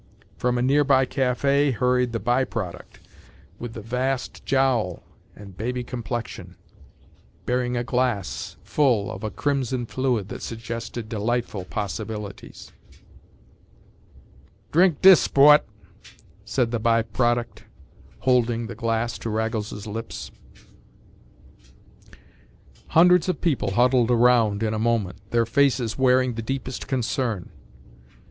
From a nearby café hurried the by product with the vast jowl and baby complexion, bearing a glass full of a crimson fluid that suggested delightful possibilities. “Drink dis, sport,” said the by product, holding the glass to Raggles’s lips. Hundreds of people huddled around in a moment, their faces wearing the deepest concern.